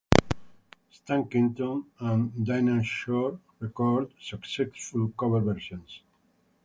Stan Kenton and Dinah Shore recorded successful cover versions.